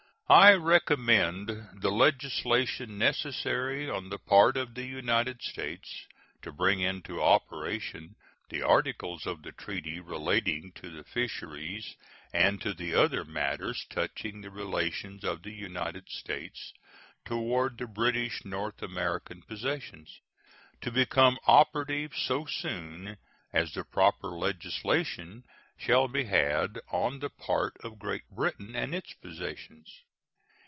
I recommend the legislation necessary on the part of the United States to bring into operation the articles of the treaty relating to the fisheries and to the other matters touching the relations of the United States toward the British North American possessions, to become operative so soon as the proper legislation shall be had on the part of Great Britain and its possessions.